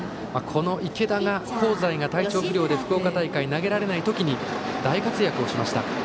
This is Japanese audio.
この池田が、香西が体調不良で福岡大会で投げられない時に大活躍しました。